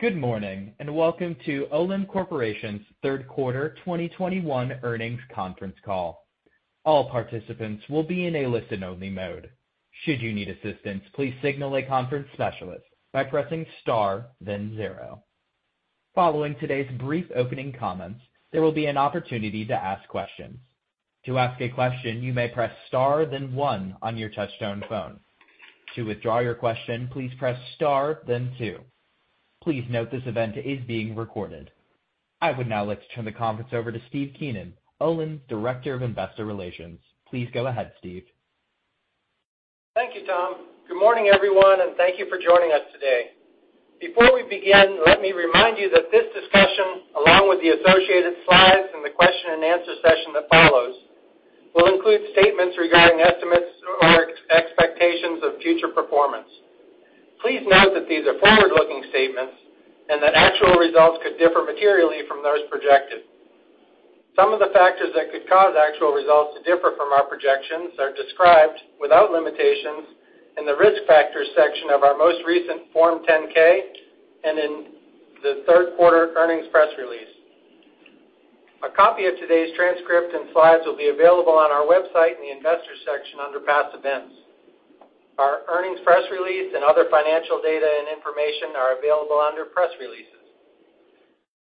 Good morning, and welcome to Olin Corporation's Third Quarter 2021 Earnings Conference Call. I would now like to turn the conference over to Steve Keenan, Olin's Director of Investor Relations. Please go ahead, Steve. Thank you, Tom. Good morning, everyone, and thank you for joining us today. Before we begin, let me remind you that this discussion, along with the associated slides and the question-and-answer session that follows, will include statements regarding estimates or expectations of future performance. Please note that these are forward-looking statements and that actual results could differ materially from those projected. Some of the factors that could cause actual results to differ from our projections are described, without limitations, in the Risk Factors section of our most recent Form 10-K and in the third quarter earnings press release. A copy of today's transcript and slides will be available on our website in the Investors section under Past Events. Our earnings press release and other financial data and information are available under Press Releases.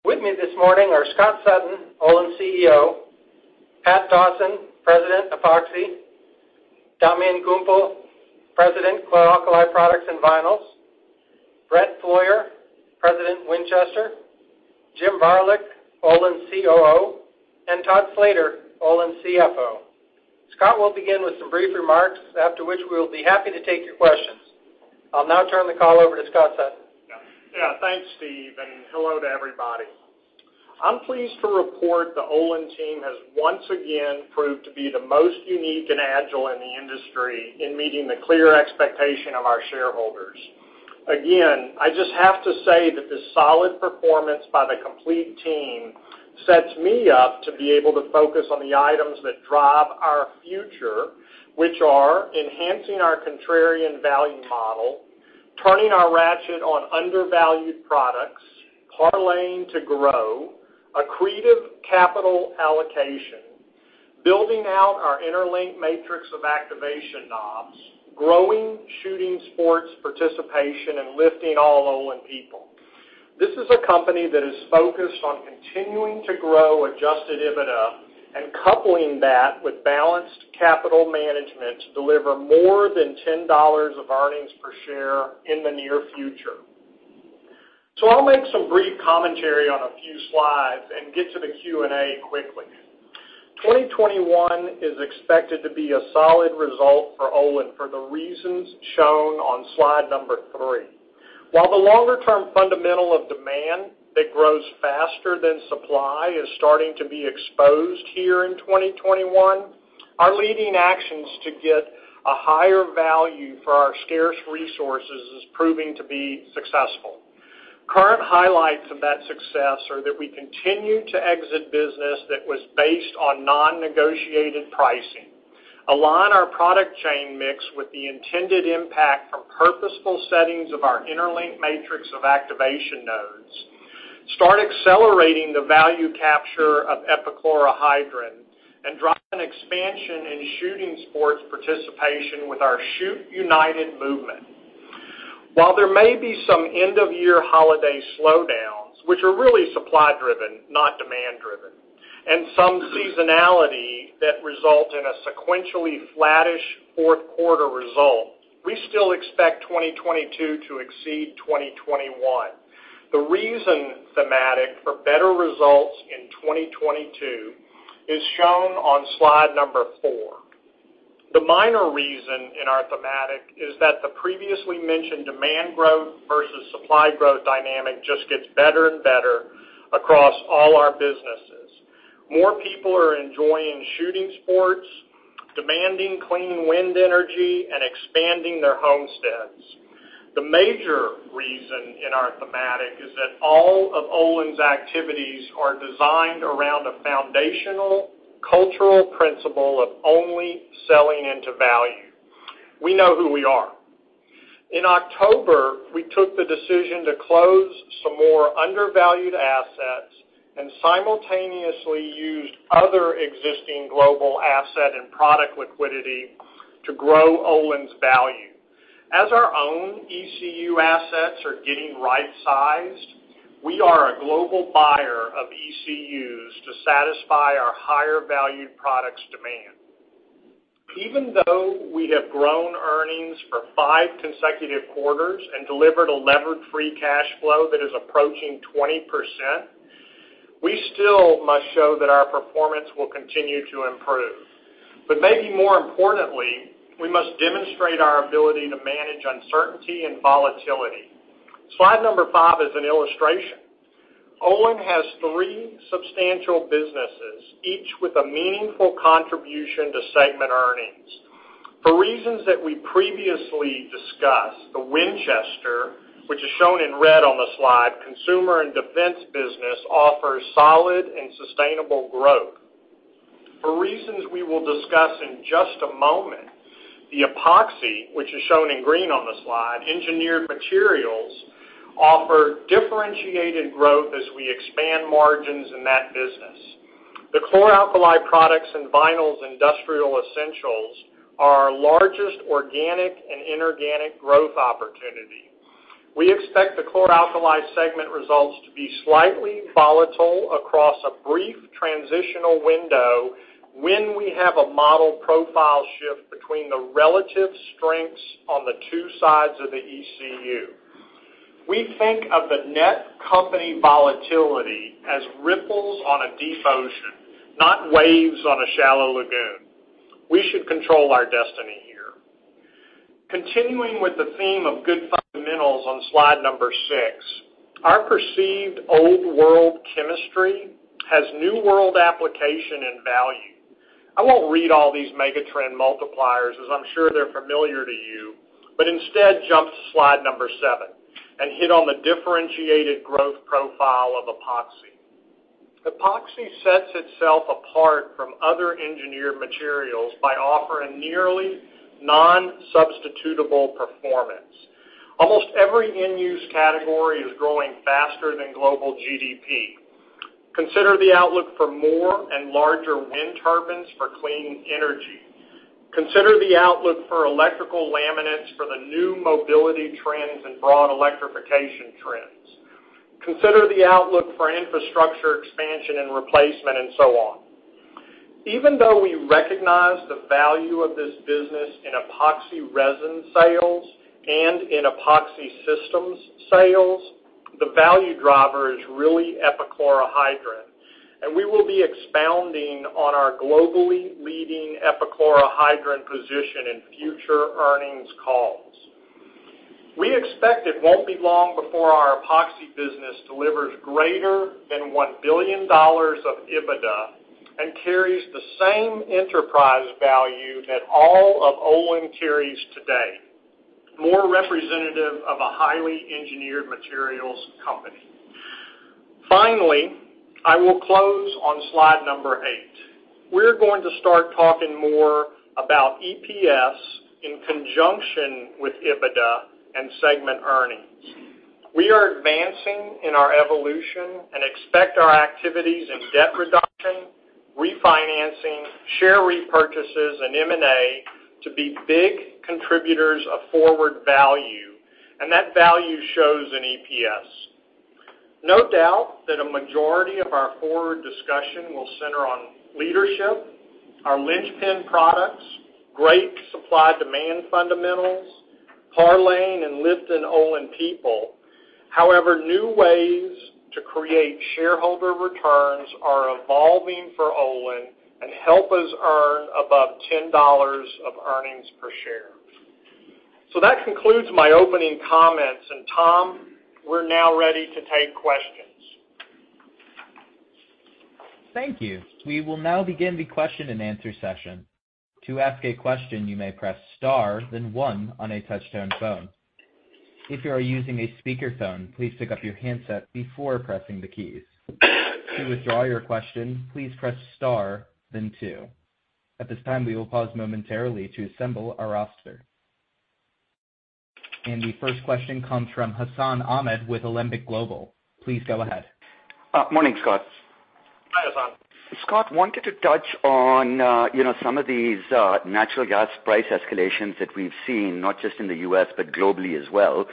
With me this morning are Scott Sutton, Olin's CEO, Pat Dawson, President, Epoxy, Damian Gumpel, President, Chlor Alkali Products and Vinyls, Brett Flaugher, President, Winchester, Jim Varilek, Olin's COO, and Todd Slater, Olin's CFO. Scott will begin with some brief remarks, after which we will be happy to take your questions. I'll now turn the call over to Scott Sutton. Yeah. Thanks, Steve, and hello to everybody. I'm pleased to report the Olin team has once again proved to be the most unique and agile in the industry in meeting the clear expectation of our shareholders. I just have to say that the solid performance by the complete team sets me up to be able to focus on the items that drive our future, which are enhancing our contrarian value model, turning our ratchet on undervalued products, parlaying to grow accretive capital allocation, building out our interlink matrix of activation knobs, growing shooting sports participation, and lifting all Olin people. This is a company that is focused on continuing to grow adjusted EBITDA and coupling that with balanced capital management to deliver more than $10 of earnings per share in the near future. I'll make some brief commentary on a few slides and get to the Q&A quickly. 2021 is expected to be a solid result for Olin for the reasons shown on slide number three. While the longer-term fundamental of demand that grows faster than supply is starting to be exposed here in 2021, our leading actions to get a higher value for our scarce resources is proving to be successful. Current highlights of that success are that we continue to exit business that was based on non-negotiated pricing, align our product chain mix with the intended impact from purposeful settings of our interlink matrix of activation nodes, start accelerating the value capture of epichlorohydrin, and drive an expansion in shooting sports participation with our Shoot United movement. While there may be some end-of-year holiday slowdowns, which are really supply driven, not demand driven, and some seasonality that result in a sequentially flattish fourth quarter result, we still expect 2022 to exceed 2021. The reason thematic for better results in 2022 is shown on slide number four. The minor reason in our thematic is that the previously mentioned demand growth versus supply growth dynamic just gets better and better across all our businesses. More people are enjoying shooting sports, demanding clean wind energy, and expanding their homesteads. The major reason in our thematic is that all of Olin's activities are designed around a foundational cultural principle of only selling into value. We know who we are. In October, we took the decision to close some more undervalued assets and simultaneously used other existing global asset and product liquidity to grow Olin's value. As our own ECU assets are getting right-sized, we are a global buyer of ECUs to satisfy our higher-valued products demand. Even though we have grown earnings for five consecutive quarters and delivered a levered free cash flow that is approaching 20%, we still must show that our performance will continue to improve. Maybe more importantly, we must demonstrate our ability to manage uncertainty and volatility. Slide number five is an illustration. Olin has three substantial businesses, each with a meaningful contribution to segment earnings. For reasons that we previously discussed, the Winchester, which is shown in red on the slide, consumer and defense business offers solid and sustainable growth. For reasons we will discuss in just a moment, the Epoxy, which is shown in green on the slide, engineered materials offer differentiated growth as we expand margins in that business. The Chlor Alkali Products and Vinyls industrial essentials are our largest organic and inorganic growth opportunity. We expect the chlor-alkali segment results to be slightly volatile across a brief transitional window when we have a model profile shift between the relative strengths on the two sides of the ECU. We think of the net company volatility as ripples on a deep ocean, not waves on a shallow lagoon. We should control our destiny here. Continuing with the theme of good fundamentals on slide number six, our perceived old world chemistry has new world application and value. I won't read all these megatrend multipliers, as I'm sure they're familiar to you. Instead jump to slide number seven and hit on the differentiated growth profile of Epoxy. Epoxy sets itself apart from other engineered materials by offering nearly non-substitutable performance. Almost every end-use category is growing faster than global GDP. Consider the outlook for more and larger wind turbines for clean energy. Consider the outlook for electrical laminates for the new mobility trends and broad electrification trends. Consider the outlook for infrastructure expansion and replacement and so on. Even though we recognize the value of this business in epoxy resin sales and in epoxy systems sales, the value driver is really epichlorohydrin, and we will be expounding on our globally leading epichlorohydrin position in future earnings calls. We expect it won't be long before our Epoxy business delivers greater than $1 billion of EBITDA and carries the same enterprise value that all of Olin carries today, more representative of a highly engineered materials company. Finally, I will close on slide number eight. We're going to start talking more about EPS in conjunction with EBITDA and segment earnings. We are advancing in our evolution and expect our activities in debt reduction, refinancing, share repurchases, and M&A to be big contributors of forward value, and that value shows in EPS. No doubt that a majority of our forward discussion will center on leadership, our linchpin products, great supply-demand fundamentals, parlaying and lifting Olin people. However, new ways to create shareholder returns are evolving for Olin and help us earn above $10 of earnings per share. That concludes my opening comments. Tom, we're now ready to take questions. Thank you. We will now begin the question-and-answer session. At this time, we will pause momentarily to assemble our roster. The first question comes from Hassan Ahmed with Alembic Global. Please go ahead. Morning, Scott. Hi, Hassan. Scott, wanted to touch on some of these natural gas price escalations that we've seen, not just in the U.S., but globally as well.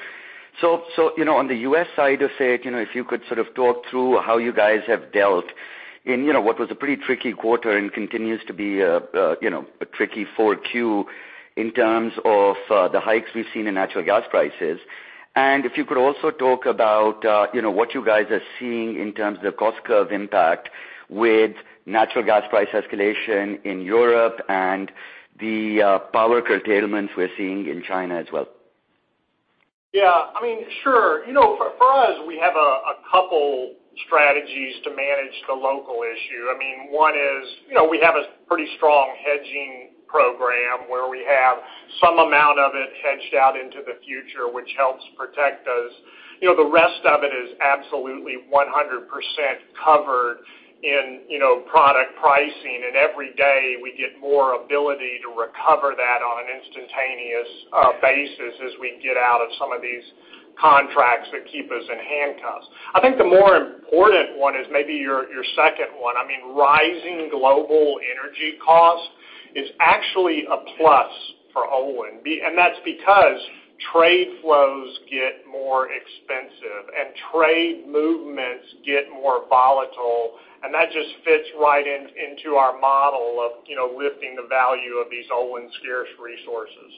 On the U.S. side of things, if you could sort of talk through how you guys have dealt in what was a pretty tricky quarter and continues to be a tricky 4Q in terms of the hikes we've seen in natural gas prices? If you could also talk about what you guys are seeing in terms of the cost curve impact with natural gas price escalation in Europe and the power curtailments we're seeing in China as well? Yeah. Sure. For us, we have a couple strategies to manage the local issue. One is we have a pretty strong hedging program where we have some amount of it hedged out into the future, which helps protect us. Every day we get more ability to recover that on an instantaneous basis as we get out of some of these contracts that keep us in handcuffs. I think the more important one is maybe your second one. Rising global energy costs is actually a plus for Olin. That's because trade flows get more expensive, and trade movements get more volatile, and that just fits right into our model of lifting the value of these Olin scarce resources.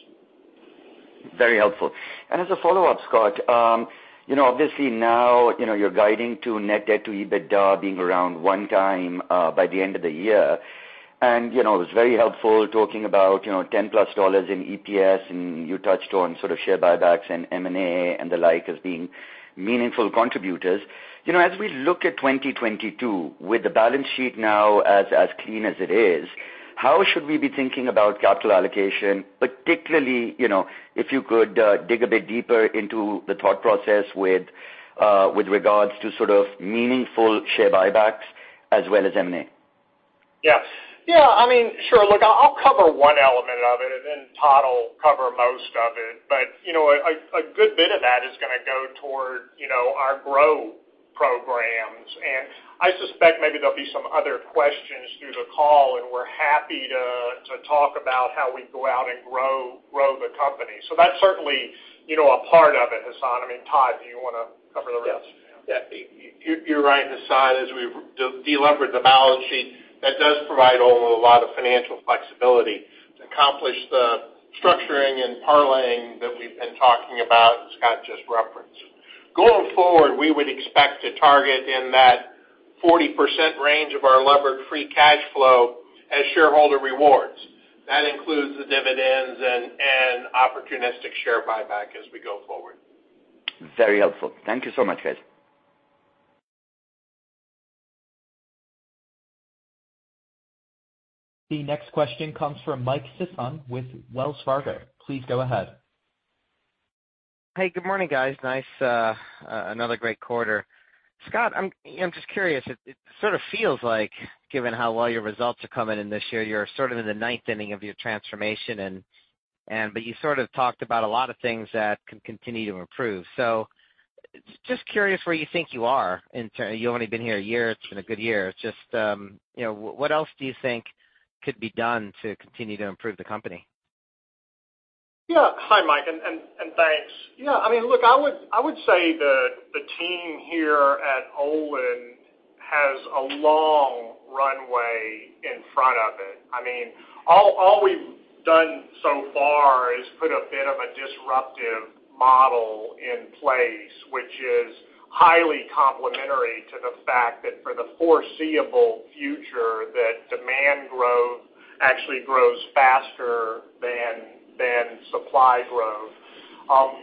Very helpful. As a follow-up, Scott, obviously now you're guiding to net debt to EBITDA being around 1 time by the end of the year. It was very helpful talking about $10+ in EPS, and you touched on sort of share buybacks and M&A and the like as being meaningful contributors. As we look at 2022, with the balance sheet now as clean as it is. How should we be thinking about capital allocation, particularly, if you could dig a bit deeper into the thought process with regards to sort of meaningful share buybacks as well as M&A? Yes. Sure. I'll cover one element of it, then Todd will cover most of it. A good bit of that is going to go toward our grow programs. I suspect maybe there'll be some other questions through the call, and we're happy to talk about how we go out and grow the company. That's certainly a part of it, Hassan. Todd, do you want to cover the rest? Yeah. You're right, Hassan. As we delevered the balance sheet, that does provide Olin a lot of financial flexibility to accomplish the structuring and parlaying that we've been talking about, as Scott just referenced. Going forward, we would expect to target in that 40% range of our levered free cash flow as shareholder rewards. That includes the dividends and opportunistic share buyback as we go forward. Very helpful. Thank you so much, guys. The next question comes from Michael Sison with Wells Fargo. Please go ahead. Hey, good morning, guys. Another great quarter. Scott, I'm just curious. It sort of feels like given how well your results are coming in this year, you're sort of in the ninth inning of your transformation, but you sort of talked about a lot of things that can continue to improve. Just curious where you think you are. You've only been here a year. It's been a good year. Just what else do you think could be done to continue to improve the company? Yeah. Hi, Mike, and thanks. Look, I would say the team here at Olin has a long runway in front of it. All we've done so far is put a bit of a disruptive model in place, which is highly complementary to the fact that for the foreseeable future, that demand growth actually grows faster than supply growth.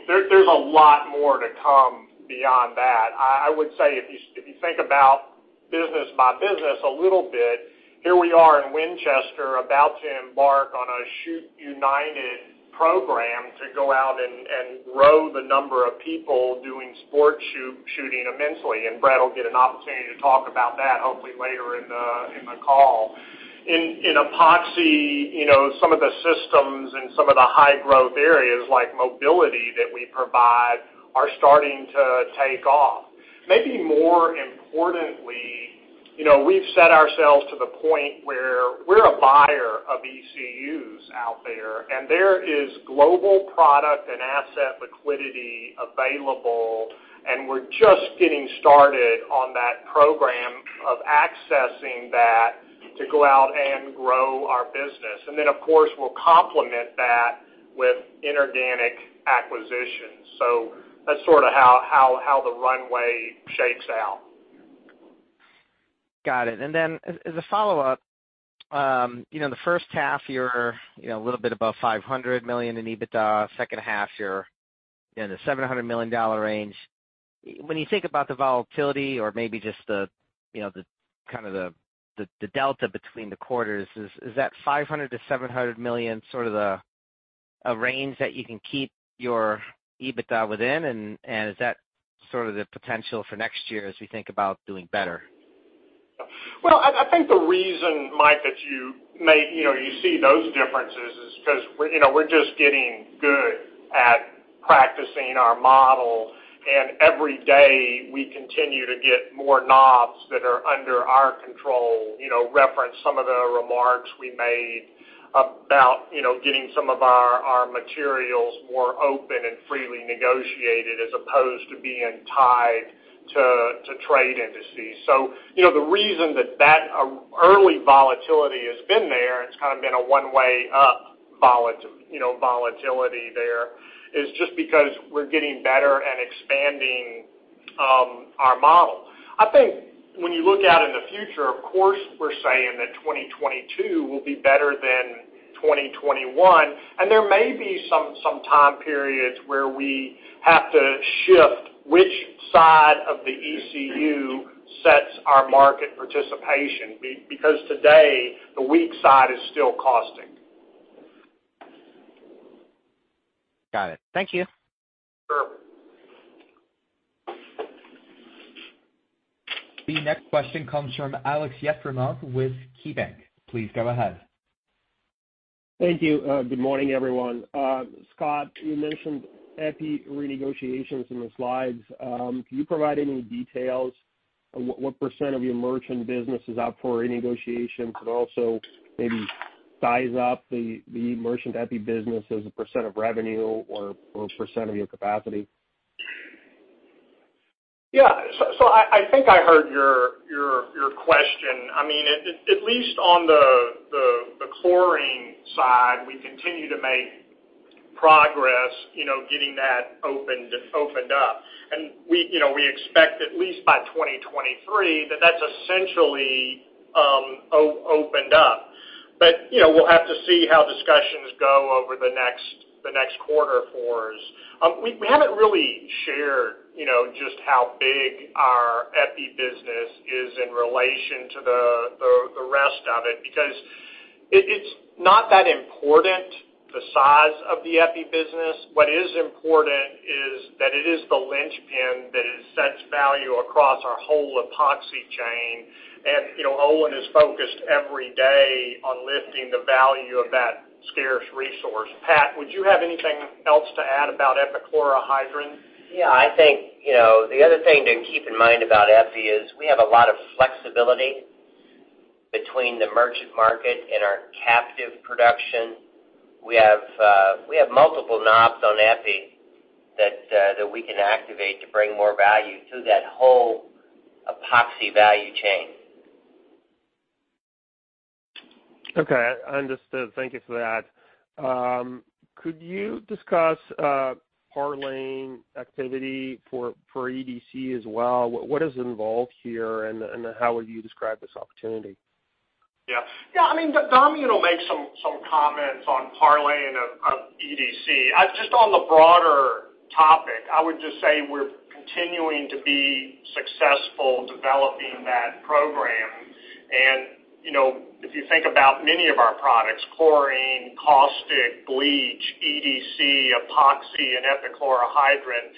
There's a lot more to come beyond that. I would say if you think about business by business a little bit, here we are in Winchester about to embark on a Shoot United program to go out and grow the number of people doing sport shooting immensely, and Brett Flaugher will get an opportunity to talk about that hopefully later in the call. In Epoxy, some of the systems and some of the high growth areas like mobility that we provide are starting to take off. Maybe more importantly, we've set ourselves to the point where we're a buyer of ECUs out there is global product and asset liquidity available, we're just getting started on that program of accessing that to go out and grow our business. Then, of course, we'll complement that with inorganic acquisitions. That's sort of how the runway shakes out. Got it. As a follow-up, the first half you're a little bit above $500 million in EBITDA. Second half, you're in the $700 million range. When you think about the volatility or maybe just the delta between the quarters, is that $500 million to $700 million sort of the range that you can keep your EBITDA within? Is that sort of the potential for next year as we think about doing better? I think the reason, Mike, that you see those differences is because we're just getting good at practicing our model, and every day we continue to get more knobs that are under our control. Reference some of the remarks we made about getting some of our materials more open and freely negotiated as opposed to being tied to trade indices. The reason that early volatility has been there, and it's kind of been a one-way up volatility there, is just because we're getting better at expanding our model. When you look out in the future, of course, we're saying that 2022 will be better than 2021, and there may be some time periods where we have to shift which side of the ECU sets our market participation, because today the weak side is still costing. Got it. Thank you. Sure. The next question comes from Aleksey Yefremov with KeyBanc. Please go ahead. Thank you. Good morning, everyone. Scott, you mentioned EPI renegotiations in the slides. Can you provide any details on what % of your merchant business is up for renegotiation? Could also maybe size up the merchant EPI business as a % of revenue or % of your capacity? Yeah. I think I heard your question. At least on the chlorine side, we continue to make progress getting that opened up. We expect at least by 2023 that that's essentially opened up. We'll have to see how discussions go over the next quarter for us. We haven't really shared just how big our EPI business is in relation to the rest of it, because it's not that important, the size of the EPI business. What is important is that it is the linchpin that sets value across our whole Epoxy chain. Olin is focused every day on lifting the value of that scarce resource. Pat, would you have anything else to add about epichlorohydrin? I think the other thing to keep in mind about EPI is we have a lot of flexibility between the merchant market and our captive production. We have multiple knobs on EPI that we can activate to bring more value to that whole epoxy value chain. Okay. Understood. Thank you for that. Could you discuss parlaying activity for EDC as well? What is involved here, and how would you describe this opportunity? Yeah. Damian will make some comments on parlaying of EDC. Just on the broader topic, I would just say we're continuing to be successful developing that program. If you think about many of our products, chlorine, caustic, bleach, EDC, epoxy, and epichlorohydrin,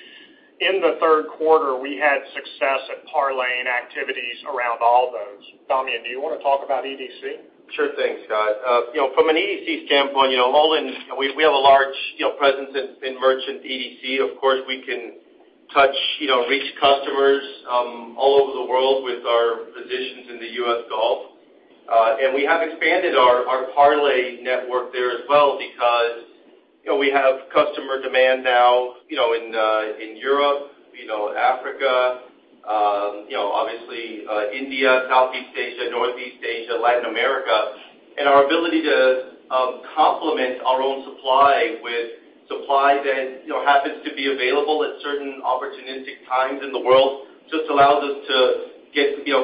in the third quarter, we had success at parlaying activities around all those. Damian, do you want to talk about EDC? Sure thing, Scott. From an EDC standpoint, Olin, we have a large presence in merchant EDC. Of course, we can touch, reach customers all over the world with our positions in the U.S. Gulf. We have expanded our parlay network there as well because we have customer demand now in Europe, Africa, obviously India, Southeast Asia, Northeast Asia, Latin America. Our ability to complement our own supply with supply that happens to be available at certain opportunistic times in the world just allows us to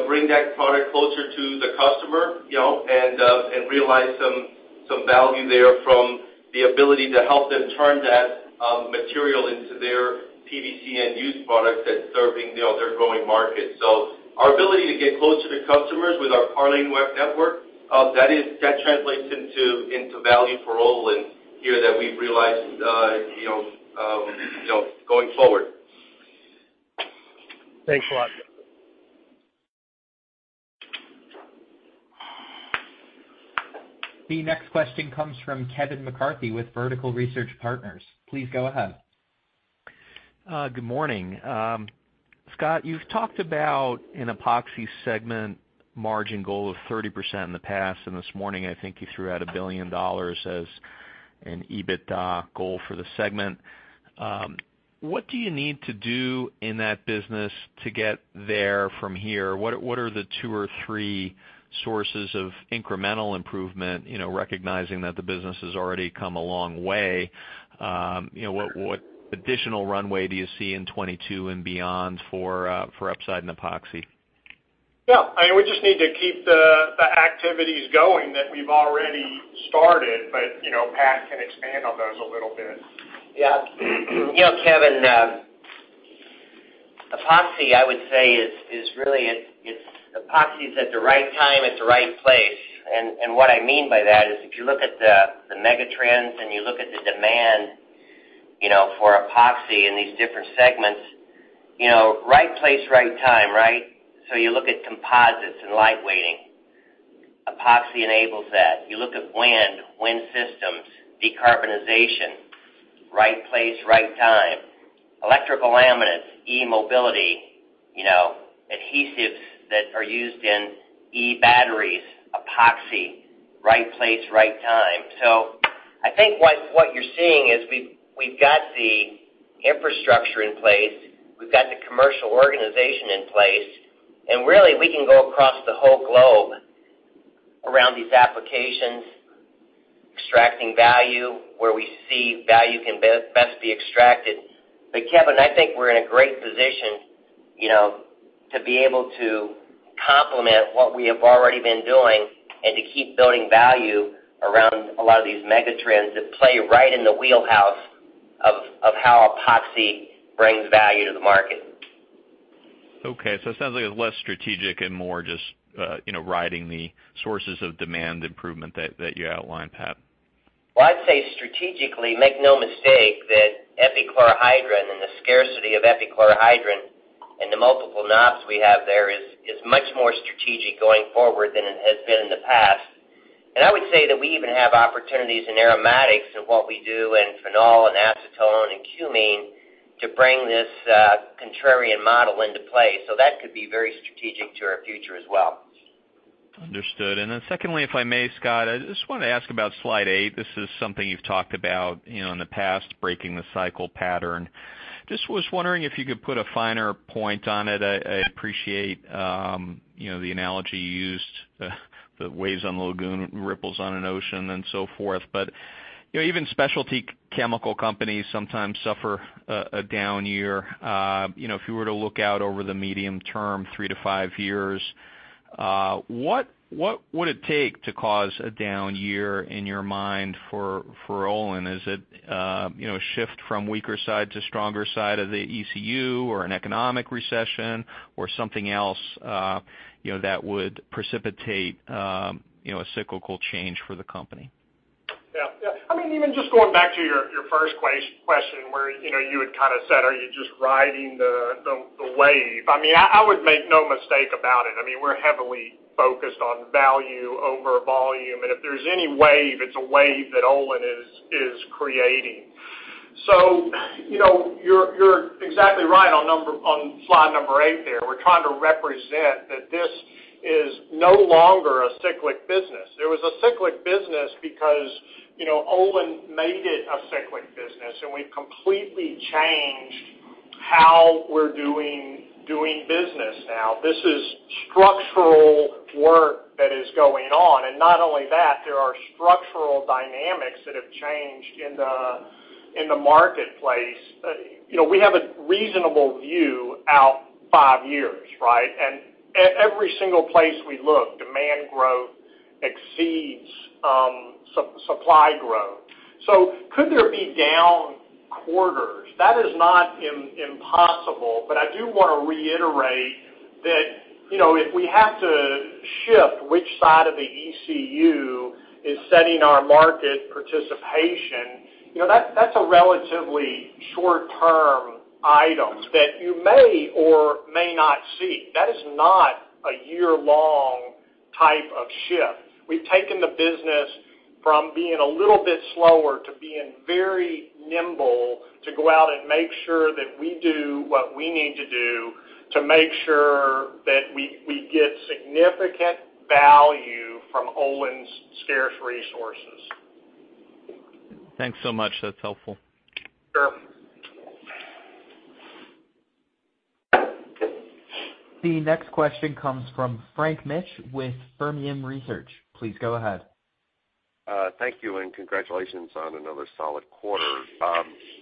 bring that product closer to the customer, and realize some value there from the ability to help them turn that material into their PVC end-use product that's serving their growing market. Our ability to get closer to customers with our parlaying network translates into value for Olin here that we've realized going forward. Thanks a lot. The next question comes from Kevin McCarthy with Vertical Research Partners. Please go ahead. Good morning. Scott, you've talked about an Epoxy segment margin goal of 30% in the past, and this morning, I think you threw out a $1 billion as an EBITDA goal for the segment. What do you need to do in that business to get there from here? What are the two or three sources of incremental improvement, recognizing that the business has already come a long way? What additional runway do you see in 2022 and beyond for upside in Epoxy? We just need to keep the activities going that we've already started. Pat can expand on those a little bit. Yeah. Kevin, epoxy, I would say, is really at the right time, at the right place. What I mean by that is if you look at the megatrends and you look at the demand for epoxy in these different segments, right place, right time. You look at composites and lightweighting. Epoxy enables that. You look at wind systems, decarbonization. Right place, right time. Electrical laminates, e-mobility. Adhesives that are used in e-batteries. Epoxy. Right place, right time. I think what you're seeing is we've got the infrastructure in place, we've got the commercial organization in place, and really, we can go across the whole globe around these applications, extracting value where we see value can best be extracted. Kevin, I think we're in a great position to be able to complement what we have already been doing and to keep building value around a lot of these mega trends that play right in the wheelhouse of how Epoxy brings value to the market. Okay. It sounds like it's less strategic and more just riding the sources of demand improvement that you outlined, Pat. Well, I'd say strategically, make no mistake that epichlorohydrin and the scarcity of epichlorohydrin and the multiple knobs we have there is much more strategic going forward than it has been in the past. I would say that we even have opportunities in aromatics in what we do in phenol and acetone and cumene to bring this contrarian model into play. That could be very strategic to our future as well. Understood. Secondly, if I may, Scott, I just wanted to ask about slide eight. This is something you've talked about in the past, breaking the cycle pattern. Just was wondering if you could put a finer point on it. I appreciate the analogy you used, the waves on the lagoon, ripples on an ocean, and so forth. Even specialty chemical companies sometimes suffer a down year. If you were to look out over the medium term, three to five years, what would it take to cause a down year in your mind for Olin? Is it a shift from weaker side to stronger side of the ECU or an economic recession or something else that would precipitate a cyclical change for the company? Even just going back to your first question where you had said, are you just riding the wave? I would make no mistake about it. We're heavily focused on value over volume, and if there's any wave, it's a wave that Olin is creating. You're exactly right on slide number eight there. We're trying to represent that this is no longer a cyclic business. It was a cyclic business because Olin made it a cyclic business, and we've completely changed how we're doing business now. This is structural work that is going on. Not only that, there are structural dynamics that have changed in the marketplace. We have a reasonable view out five years, right? Every single place we look, demand growth exceeds supply growth. Could there be down quarters? That is not impossible, but I do want to reiterate that if we have to shift which side of the ECU is setting our market participation, that's a relatively short-term item that you may or may not see. That is not a year-long type of shift. We've taken the business from being a little bit slower to being very nimble to go out and make sure that we do what we need to do to make sure that we get significant value from Olin's scarce resources. Thanks so much. That's helpful. Sure. The next question comes from Frank Mitsch with Fermium Research. Please go ahead. Thank you. Congratulations on another solid quarter.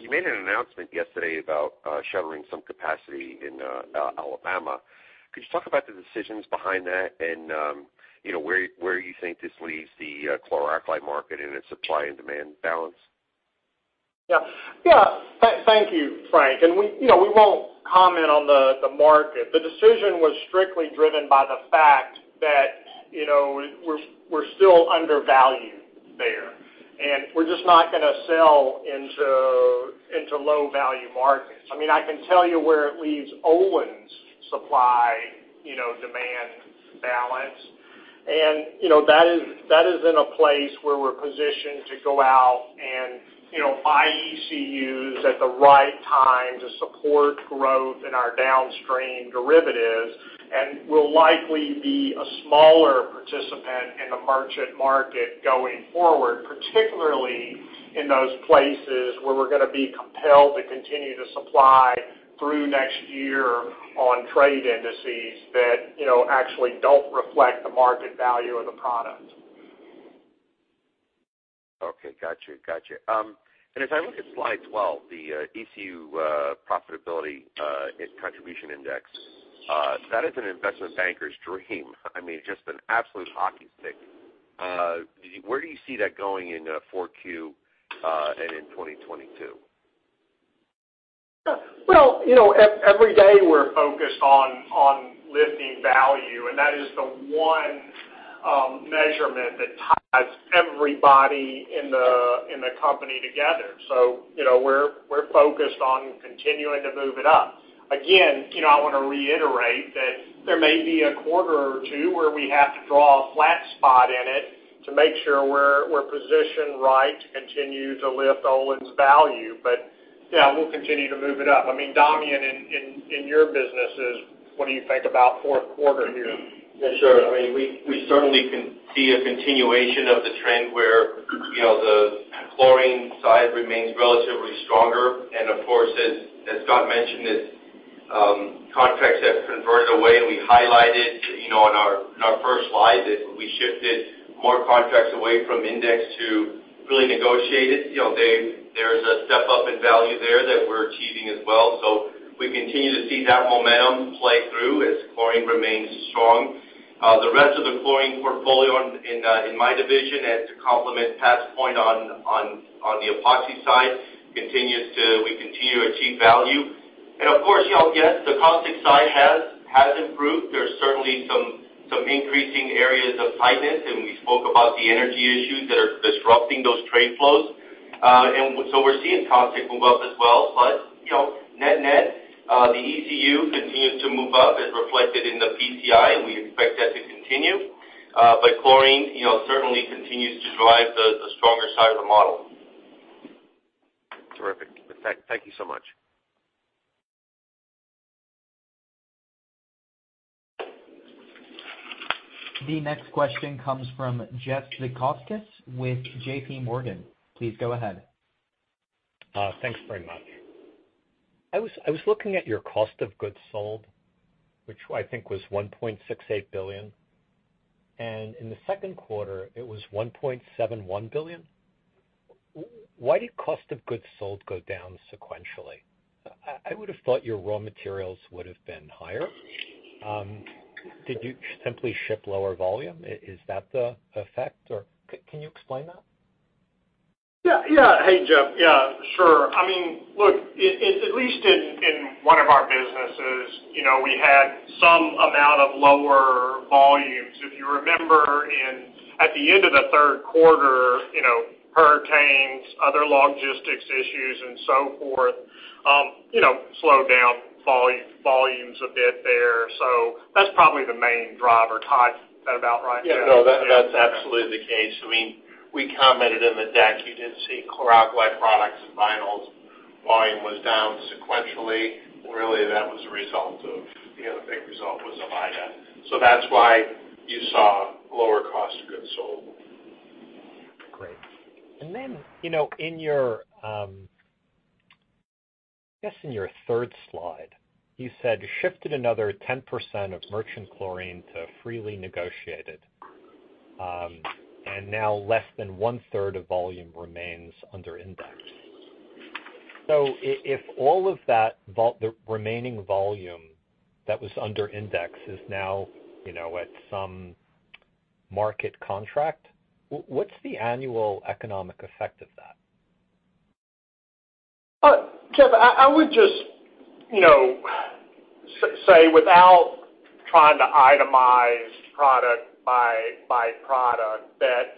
You made an announcement yesterday about shuttering some capacity in Alabama. Could you talk about the decisions behind that and where you think this leaves the chlor-alkali market and its supply and demand balance? Yeah. Thank you, Frank Mitsch. We won't comment on the market. The decision was strictly driven by the fact that we're still undervalued there, and we're just not going to sell into low-value markets. I can tell you where it leaves Olin's supply/demand balance. That is in a place where we're positioned to go out and buy ECUs at the right time to support growth in our downstream derivatives. We'll likely be a smaller participant in the merchant market going forward, particularly in those places where we're going to be compelled to continue to supply through next year on trade indices that actually don't reflect the market value of the product. Okay. Gotcha. As I look at slide 12, the ECU profitability and contribution index, that is an investment banker's dream. Just an absolute hockey stick. Where do you see that going into 4Q and in 2022? Every day we're focused on lifting value, and that is the one measurement that ties everybody in the company together. We're focused on continuing to move it up. Again, I want to reiterate that there may be a quarter or two where we have to draw a flat spot in it to make sure we're positioned right to continue to lift Olin's value. Yeah, we'll continue to move it up. Damian, in your businesses, what do you think about fourth quarter here? Yeah, sure. We certainly can see a continuation of the trend where the chlorine side remains relatively stronger. Of course, as Scott mentioned, as contracts have converted away, we highlighted in our first slide that we shifted more contracts away from index to really negotiated. There's a step up in value there that we're achieving as well. We continue to see that momentum play through as chlorine remains strong. The rest of the chlorine portfolio in my division, and to complement Pat's point on the Epoxy side, we continue to achieve value. Of course, yes, the caustic side has improved. There's certainly some increasing areas of tightness, and we spoke about the energy issues that are disrupting those trade flows. We're seeing caustic move up as well. Net-net, the ECU continues to move up as reflected in the PCI, and we expect that to continue. Chlorine certainly continues to drive the stronger side of the model. Terrific. Thank you so much. The next question comes from Jeffrey Zekauskas with J.P. Morgan. Please go ahead. Thanks very much. I was looking at your cost of goods sold, which I think was $1.68 billion. In the second quarter it was $1.71 billion. Why did cost of goods sold go down sequentially? I would've thought your raw materials would've been higher. Did you simply ship lower volume? Is that the effect, or can you explain that? Yeah. Hey, Jeff. Yeah, sure. Look, at least in one of our businesses, we had some amount of lower volumes. If you remember at the end of the third quarter, hurricanes, other logistics issues and so forth slowed down volumes a bit there. That's probably the main driver. Todd, is that about right? Yeah. No, that's absolutely the case. We commented in the deck, you did see Chlor Alkali Products and Vinyls volume was down sequentially. Really, the big result was of Ida. That's why you saw lower cost of goods sold. Great. I guess in your third slide, you said shifted another 10% of merchant chlorine to freely negotiated. Now less than one-third of volume remains under index. If all of the remaining volume that was under index is now at some market contract, what's the annual economic effect of that? Jeff, I would just say without trying to itemize product by product, that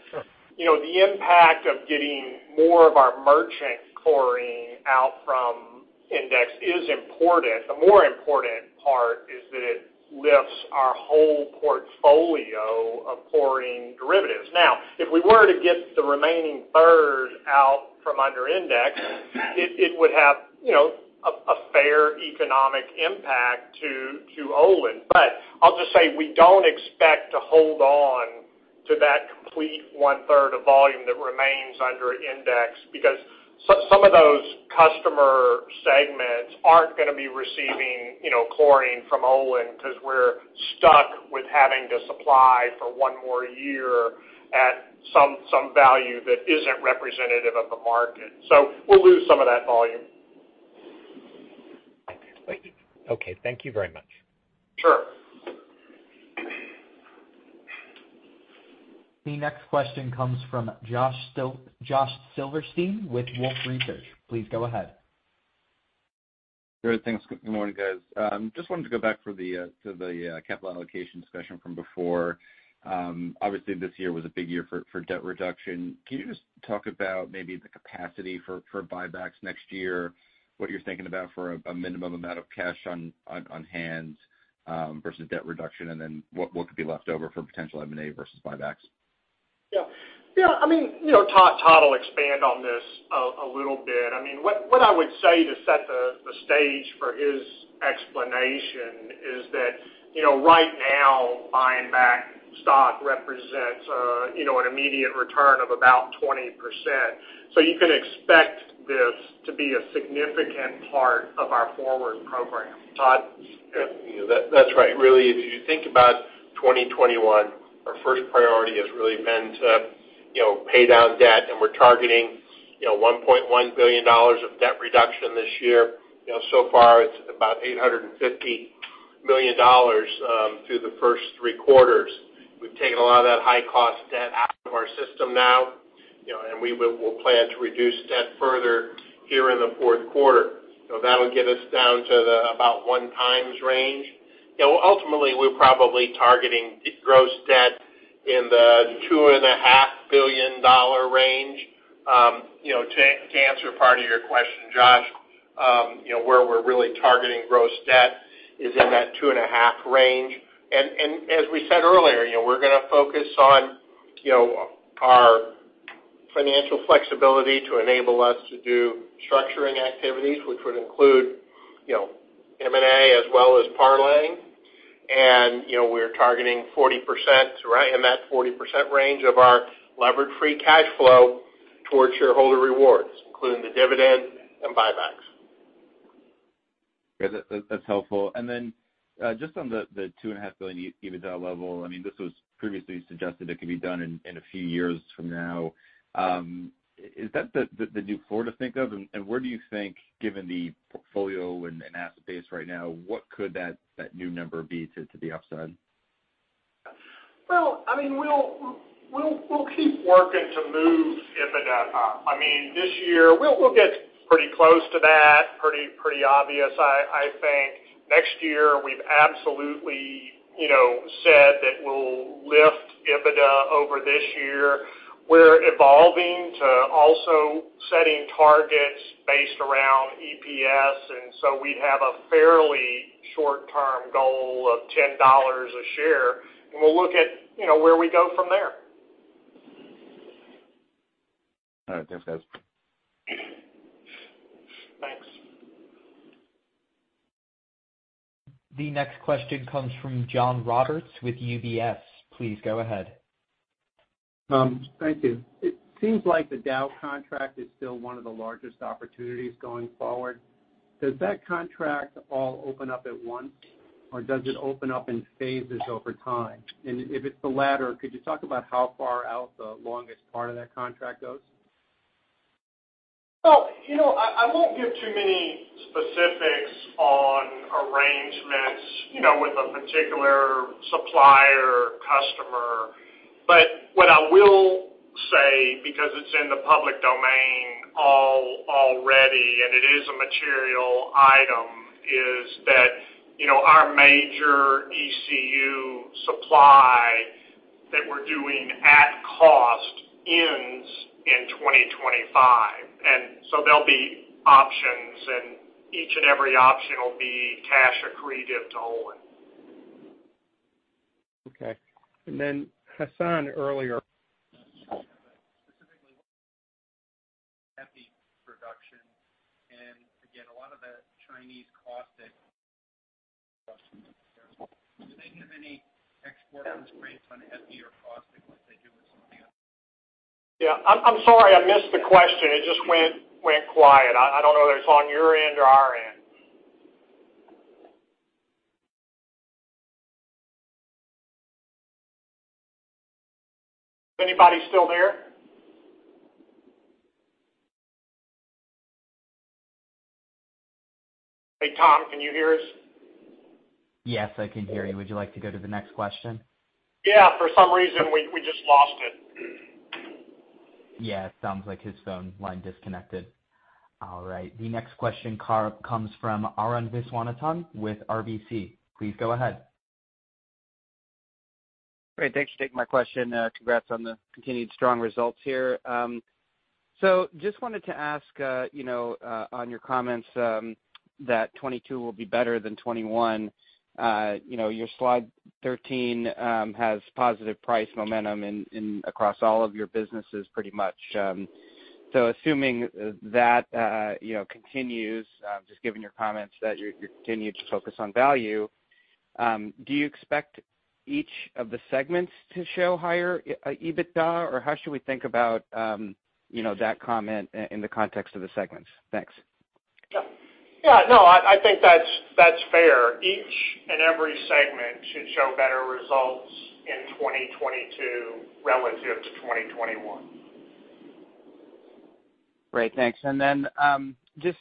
the impact of getting more of our merchant chlorine out from index is important. The more important part is that it lifts our whole portfolio of chlorine derivatives. If we were to get the remaining third out from under index, it would have a fair economic impact to Olin. I'll just say, we don't expect to hold on to that complete one-third of volume that remains under index, because some of those customer segments aren't going to be receiving chlorine from Olin, because we're stuck with having to supply for one more year at some value that isn't representative of the market. We'll lose some of that volume. Okay. Thank you very much. Sure. The next question comes from Josh Silverstein with Wolfe Research. Please go ahead. Great, thanks. Good morning, guys. Just wanted to go back to the capital allocation discussion from before. Obviously, this year was a big year for debt reduction. Can you just talk about maybe the capacity for buybacks next year, what you're thinking about for a minimum amount of cash on hand versus debt reduction, and then what could be left over for potential M&A versus buybacks? Yeah. Todd will expand on this a little bit. What I would say to set the stage for his explanation is that right now, buying back stock represents an immediate return of about 20%. You can expect this to be a significant part of our forward program. Todd? That's right. Really, if you think about 2021, our first priority has really been to pay down debt. We're targeting $1.1 billion of debt reduction this year. So far, it's about $850 million through the first three quarters. We've taken a lot of that high-cost debt out of our system now. We will plan to reduce debt further here in the fourth quarter. That'll get us down to the about 1x range. Ultimately, we're probably targeting gross debt in the $2.5 billion range. To answer part of your question, Josh, where we're really targeting gross debt is in that $2.5 billion range. As we said earlier, we're going to focus on our financial flexibility to enable us to do structuring activities, which would include M&A as well as parlaying. We're targeting 40%, right in that 40% range of our levered free cash flow towards shareholder rewards, including the dividend and buybacks. Yeah, that's helpful. Just on the $2.5 billion EBITDA level, this was previously suggested it could be done in a few years from now. Is that the new floor to think of? Where do you think, given the portfolio and asset base right now, what could that new number be to the upside? We'll keep working to move EBITDA up. This year, we'll get pretty close to that. Pretty obvious, I think. Next year, we've absolutely said that we'll lift EBITDA over this year. We're evolving to also setting targets based around EPS, and so we have a fairly short-term goal of $10 a share, and we'll look at where we go from there. All right. Thanks, guys. Thanks. The next question comes from John Roberts with UBS. Please go ahead. Thank you. It seems like the Dow contract is still one of the largest opportunities going forward. Does that contract all open up at once, or does it open up in phases over time? If it's the latter, could you talk about how far out the longest part of that contract goes? Well, I won't give too many specifics on arrangements with a particular supplier customer. What I will say, because it's in the public domain already, and it is a material item, is that our major ECU supply that we're doing at cost ends in 2025. There'll be options, and each and every option will be cash accretive to Olin. Okay. Hassan earlier. Specifically EPI production, and again, a lot of the Chinese caustic. Do they have any export restraints on EPI or caustic like they do with sodium? Yeah. I'm sorry I missed the question. It just went quiet. I don't know whether it's on your end or our end. Is anybody still there? Hey, Tom, can you hear us? Yes, I can hear you. Would you like to go to the next question? Yeah, for some reason, we just lost it. Yeah, it sounds like his phone line disconnected. All right, the next question comes from Arun Viswanathan with RBC. Please go ahead. Great. Thanks for taking my question. Congrats on the continued strong results here. Just wanted to ask on your comments that 2022 will be better than 2021. Your slide 13 has positive price momentum across all of your businesses pretty much. Assuming that continues, just given your comments that you continue to focus on value, do you expect each of the segments to show higher EBITDA? How should we think about that comment in the context of the segments? Thanks. Yeah. No, I think that's fair. Each and every segment should show better results in 2022 relative to 2021. Great, thanks. Just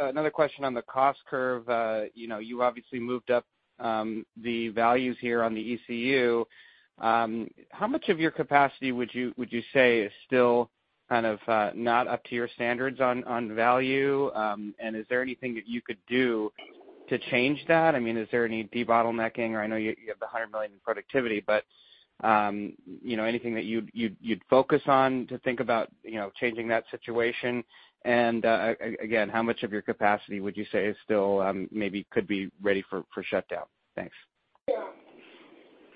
another question on the cost curve. You obviously moved up the values here on the ECU. How much of your capacity would you say is still kind of not up to your standards on value? Is there anything that you could do to change that? Is there any debottlenecking or, I know you have the $100 million in productivity, but anything that you'd focus on to think about changing that situation? Again, how much of your capacity would you say still maybe could be ready for shutdown? Thanks.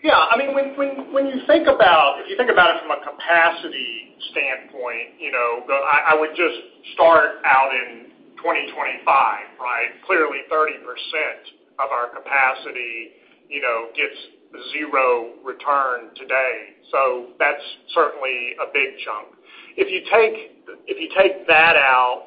Yeah. If you think about it from a capacity standpoint, I would just start out in 2025, right? Clearly, 30% of our capacity gets 0 return today. That's certainly a big chunk. If you take that out,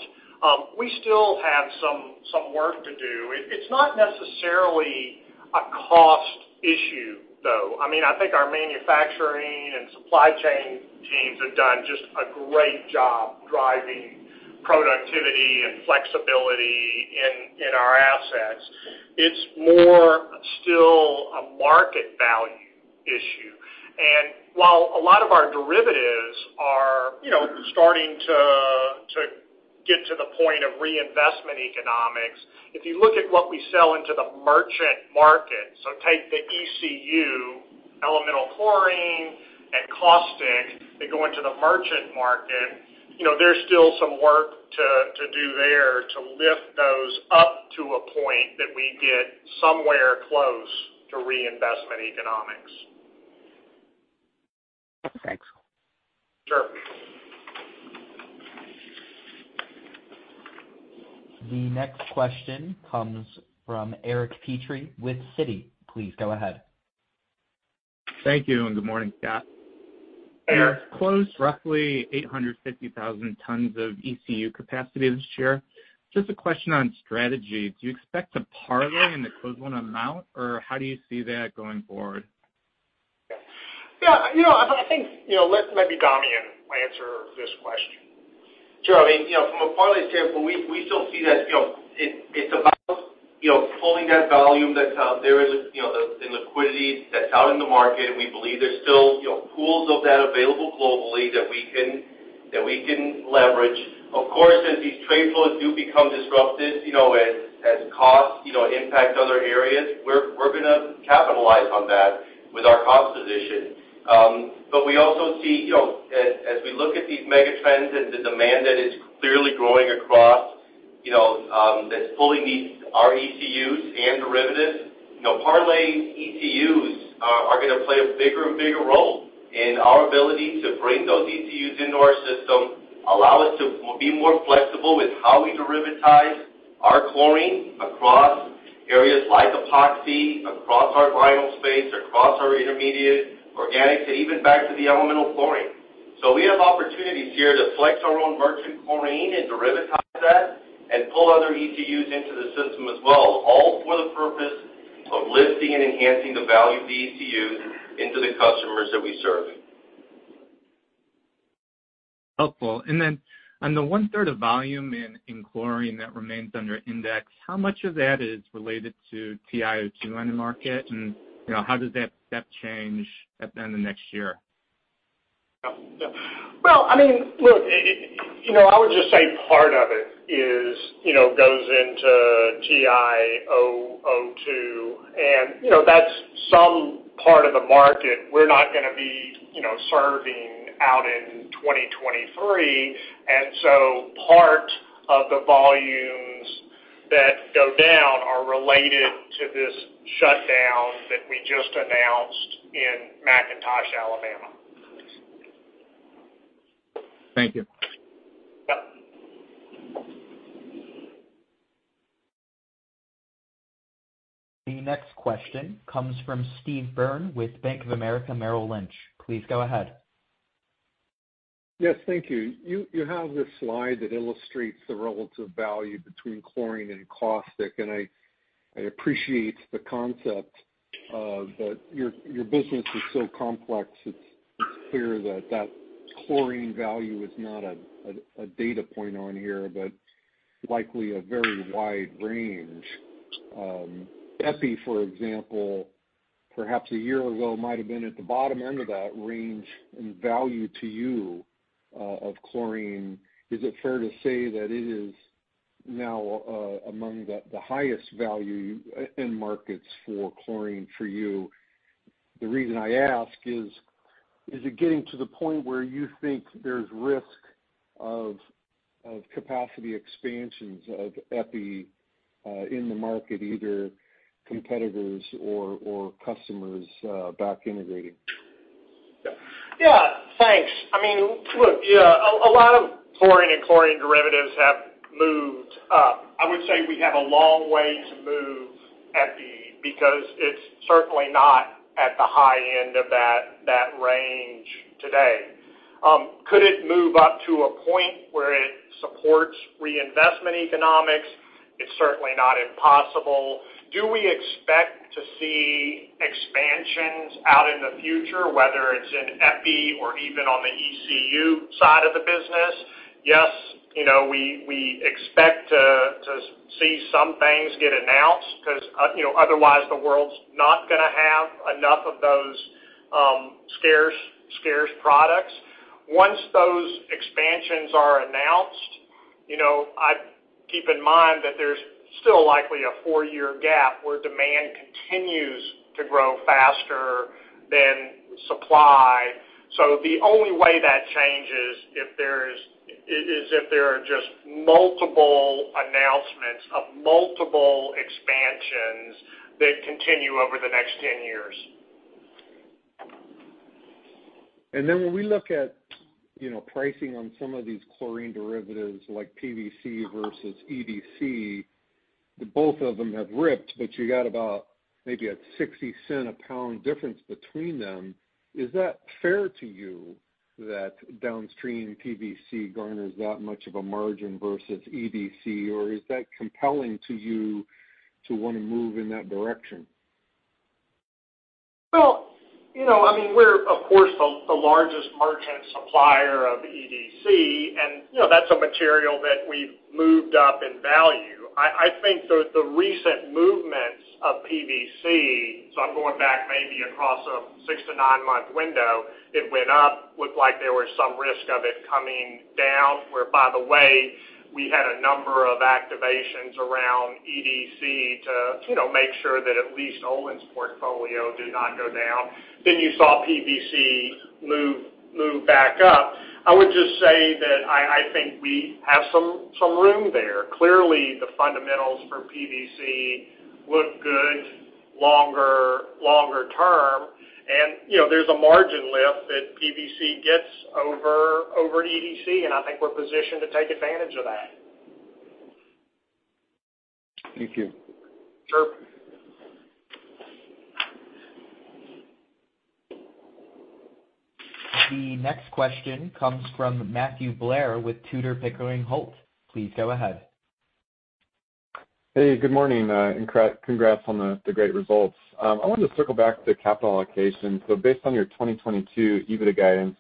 we still have some work to do. It's not necessarily a cost issue, though. I think our manufacturing and supply chain teams have done just a great job driving productivity and flexibility in our assets. It's more still a market value issue. While a lot of our derivatives are starting to get to the point of reinvestment economics, if you look at what we sell into the merchant market, take the ECU, elemental chlorine, and caustic that go into the merchant market, there's still some work to do there to lift those up to a point that we get somewhere close to reinvestment economics. Thanks. Sure. The next question comes from Eric Petri with Citi. Please go ahead. Thank you, and good morning, Scott. Eric. You closed roughly 850,000 tons of ECU capacity this year. Just a question on strategy. Do you expect to parlay in the closed ton amount, or how do you see that going forward? Yeah. I think let maybe Damian answer this question. Sure. From a parlay standpoint, we still see that it's about pulling that volume that's out there in liquidity that's out in the market, we believe there's still pools of that available globally that we can leverage. Of course, as these trade flows do become disrupted, as costs impact other areas, we're going to capitalize on that with our cost position. We also see as we look at these megatrends and the demand that is clearly growing across that's pulling these ECUs and derivatives, parlaying ECUs are going to play a bigger and bigger role in our ability to bring those ECUs into our system, allow us to be more flexible with how we derivatize our chlorine across areas like Epoxy, across our vinyl space, across our intermediate organics, and even back to the elemental chlorine. We have opportunities here to flex our own merchant chlorine and derivatize that. Pull other ECUs into the system as well, all for the purpose of lifting and enhancing the value of the ECUs into the customers that we serve. Helpful. On the one-third of volume in chlorine that remains under index, how much of that is related to TiO2 end market? How does that change at the end of next year? Well, look, I would just say part of it goes into TiO2, that's some part of the market we're not going to be serving out in 2023. Part of the volumes that go down are related to this shutdown that we just announced in McIntosh, Alabama. Thank you. Yeah. The next question comes from Steve Byrne with Bank of America Merrill Lynch. Please go ahead. Yes, thank you. You have this slide that illustrates the relative value between chlorine and caustic, and I appreciate the concept of that your business is so complex, it's clear that that chlorine value is not a data point on here, but likely a very wide range. EPI, for example, perhaps a year ago might have been at the bottom end of that range in value to you of chlorine. Is it fair to say that it is now among the highest value end markets for chlorine for you? The reason I ask is it getting to the point where you think there's risk of capacity expansions of EPI in the market, either competitors or customers back integrating? Yeah. Thanks. Look, a lot of chlorine and chlorine derivatives have moved up. I would say we have a long way to move EPI because it's certainly not at the high end of that range today. Could it move up to a point where it supports reinvestment economics? It's certainly not impossible. Do we expect to see expansions out in the future, whether it's in EPI or even on the ECU side of the business? Yes, we expect to see some things get announced because otherwise the world's not going to have enough of those scarce products. Once those expansions are announced, I keep in mind that there's still likely a four-year gap where demand continues to grow faster than supply. The only way that changes is if there are just multiple announcements of multiple expansions that continue over the next 10 years. When we look at pricing on some of these chlorine derivatives like PVC vs EDC, both of them have ripped, but you got about maybe a $0.60 a pound difference between them. Is that fair to you that downstream PVC garners that much of a margin versus EDC, or is that compelling to you to want to move in that direction? Well, we're of course the largest merchant supplier of EDC, and that's a material that we've moved up in value. I think the recent movements of PVC, so I'm going back maybe across a six to nine-month window, it went up, looked like there was some risk of it coming down, where, by the way, we had a number of activations around EDC to make sure that at least Olin's portfolio did not go down. You saw PVC move back up. I would just say that I think we have some room there. Clearly, the fundamentals for PVC look good longer term, and there's a margin lift that PVC gets over EDC, and I think we're positioned to take advantage of that. Thank you. Sure. The next question comes from Matthew Blair with Tudor, Pickering, Holt & Co. Please go ahead. Hey, good morning, and congrats on the great results. I wanted to circle back to capital allocation. Based on your 2022 EBITDA guidance,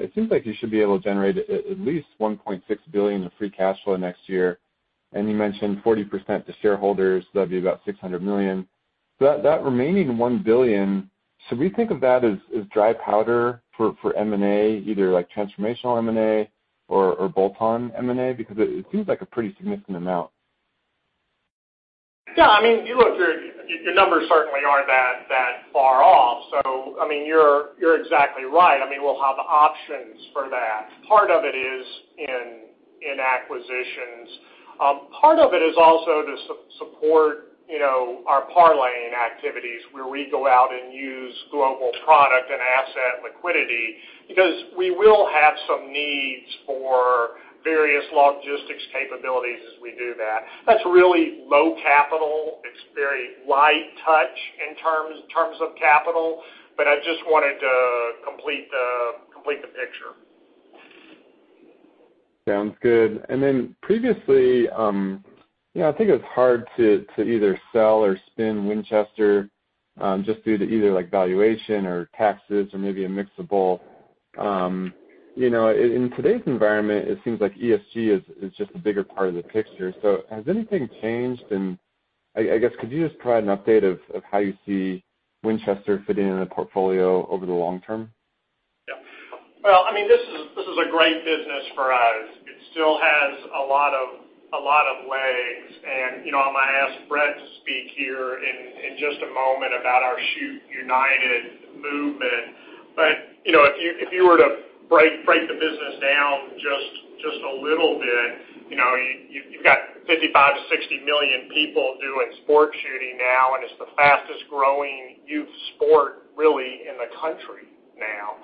it seems like you should be able to generate at least $1.6 billion of free cash flow next year. You mentioned 40% to shareholders, that'd be about $600 million. That remaining $1 billion, should we think of that as dry powder for M&A, either transformational M&A or bolt-on M&A? Because it seems like a pretty significant amount. Yeah. Look, the numbers certainly aren't that far off. You're exactly right. We'll have options for that. Part of it is in acquisitions. Part of it is also to support our parlaying activities where we go out and use global product and asset liquidity because we will have some needs for various logistics capabilities as we do that. That's really low capital. It's very light touch in terms of capital, but I just wanted to complete the picture. Sounds good. Previously, I think it was hard to either sell or spin Winchester just due to either valuation or taxes or maybe a mix of both. In today's environment, it seems like ESG is just a bigger part of the picture. Has anything changed? I guess, could you just provide an update of how you see Winchester fitting in the portfolio over the long term? Yeah. Well, this is a great business for us. It still has a lot of legs. I'm going to ask Brett to speak here in just a moment about our Shoot United movement. If you were to break the business down just a little bit, you've got 55 million to 60 million people doing sport shooting now, and it's the fastest growing youth sport, really, in the country now.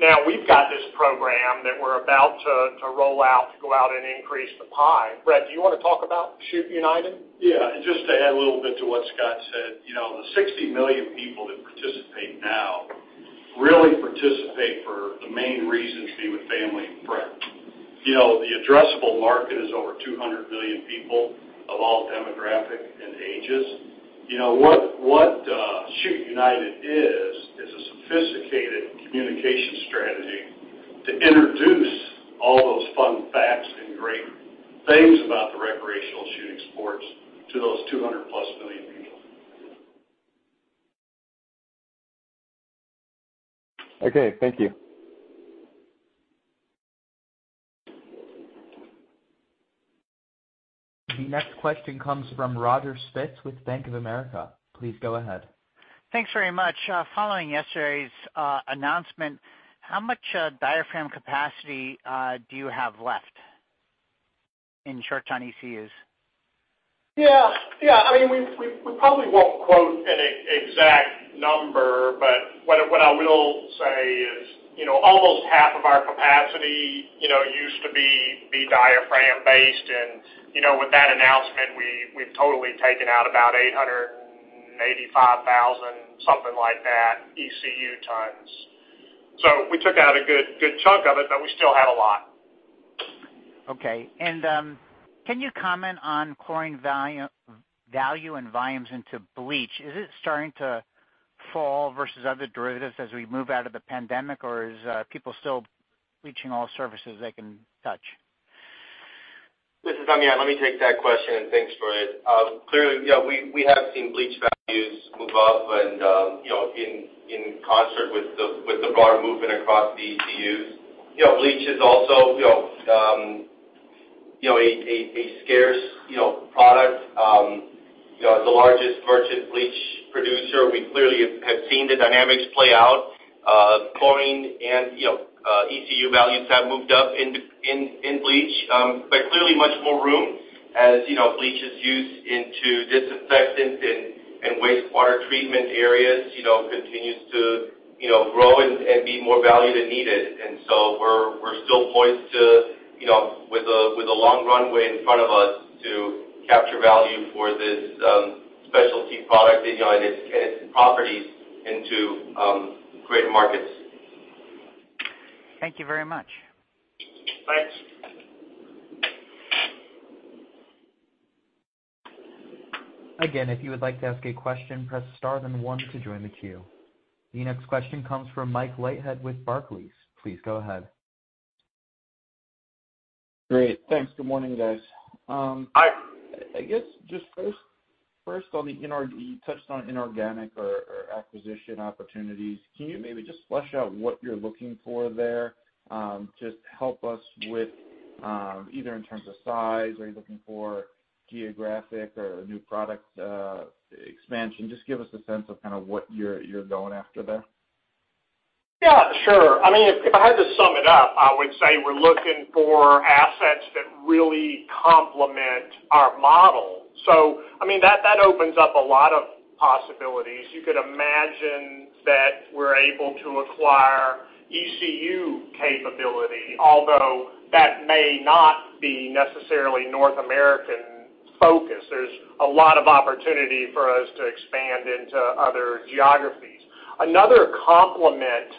Now we've got this program that we're about to roll out to go out and increase the pie. Brett, do you want to talk about Shoot United? Just to add a little bit to what Scott said. The 60 million people that participate now really participate for the main reasons being with family and friends. The addressable market is over 200 million people of all demographic and ages. What Shoot United is a sophisticated communication strategy to introduce all those fun facts and great things about the recreational shooting sports to those 200+ million people. Okay. Thank you. The next question comes from Roger Spitz with Bank of America. Please go ahead. Thanks very much. Following yesterday's announcement, how much diaphragm capacity do you have left in short ton ECUs? Yeah. We probably won't quote an exact number, but what I will say is almost half of our capacity used to be diaphragm based and, with that announcement, we've totally taken out about 885,000, something like that, ECU tons. We took out a good chunk of it, but we still had a lot. Okay. Can you comment on chlorine value and volumes into bleach? Is it starting to fall versus other derivatives as we move out of the pandemic, or is people still bleaching all surfaces they can touch? This is Damian. Let me take that question, and thanks, Roger. Clearly, we have seen bleach values move up and in concert with the broader movement across the ECUs. Bleach is also a scarce product. As the largest merchant bleach producer, we clearly have seen the dynamics play out. Chlorine and ECU values have moved up in bleach. Clearly much more room, as bleach is used into disinfectant and wastewater treatment areas, continues to grow and be more valued and needed. We're still poised to, with a long runway in front of us, to capture value for this specialty product and its properties into great markets. Thank you very much. Thanks. Again, if you would like to ask a question, press star then one to join the queue. The next question comes from Michael Leithead with Barclays. Please go ahead. Great. Thanks. Good morning, guys. Hi. I guess just first on the inorganic, you touched on inorganic or acquisition opportunities. Can you maybe just flesh out what you're looking for there? Just help us with either in terms of size. Are you looking for geographic or new product expansion? Just give us a sense of kind of what you're going after there. Yeah, sure. If I had to sum it up, I would say we're looking for assets that really complement our model. That opens up a lot of possibilities. You could imagine that we're able to acquire ECU capability, although that may not be necessarily North American focused. There's a lot of opportunity for us to expand into other geographies. Another complement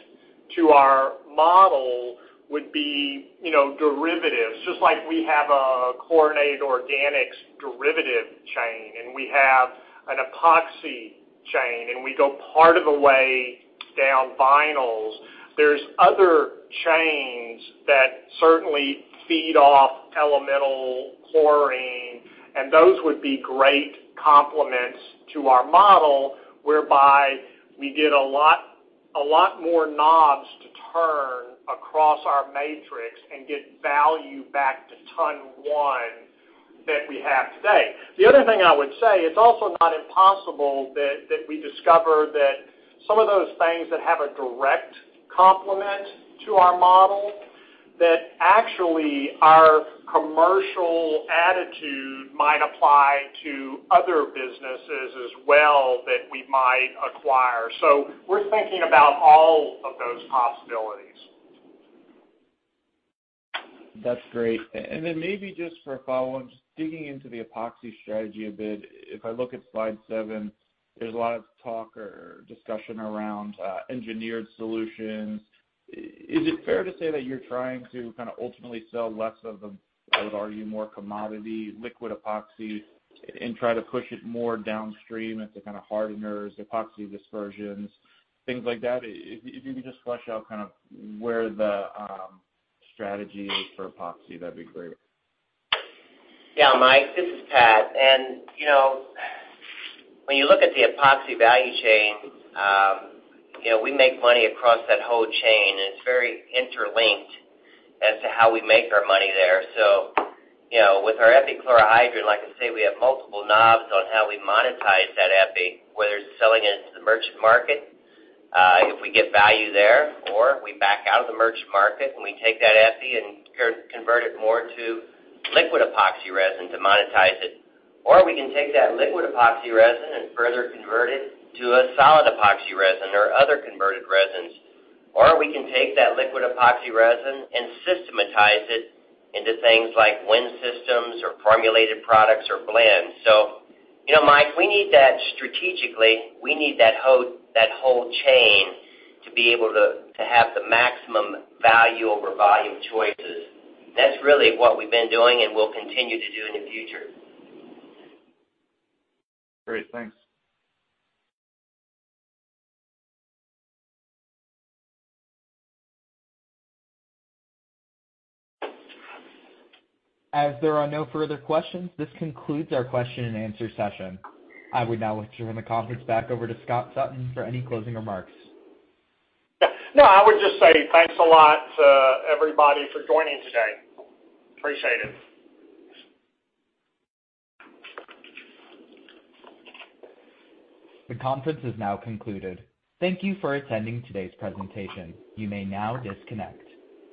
to our model would be derivatives. Just like we have a chlorinated organics derivative chain, and we have an Epoxy chain, and we go part of the way down vinyls. There's other chains that certainly feed off elemental chlorine, and those would be great complements to our model, whereby we get a lot more knobs to turn across our matrix and get value back to ton one that we have today. The other thing I would say, it's also not impossible that we discover that some of those things that have a direct complement to our model, that actually our commercial attitude might apply to other businesses as well that we might acquire. We're thinking about all of those possibilities. That's great. Then maybe just for a follow-on, just digging into the Epoxy strategy a bit. If I look at slide seven. There's a lot of talk or discussion around engineered solutions. Is it fair to say that you're trying to ultimately sell less of the, I would argue, more commodity liquid Epoxy and try to push it more downstream into hardeners, Epoxy dispersions, things like that? If you could just flesh out where the strategy is for Epoxy, that'd be great. Yeah, Mike, this is Pat. When you look at the epoxy value chain, we make money across that whole chain, and it's very interlinked as to how we make our money there. With our epichlorohydrin, like I say, we have multiple knobs on how we monetize that epi, whether it's selling it into the merchant market, if we get value there, or we back out of the merchant market and we take that epi and convert it more to liquid epoxy resin to monetize it. We can take that liquid epoxy resin and further convert it to a solid epoxy resin or other converted resins. We can take that liquid epoxy resin and systematize it into things like wind systems or formulated products or blends. Mike, strategically, we need that whole chain to be able to have the maximum value over volume choices. That's really what we've been doing and will continue to do in the future. Great, thanks. As there are no further questions, this concludes our question-and-answer session. I would now like to turn the conference back over to Scott Sutton for any closing remarks. No, I would just say thanks a lot to everybody for joining today. Appreciate it. The conference is now concluded. Thank you for attending today's presentation. You may now disconnect.